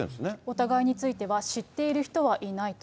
お互いについては知っている人はいないと。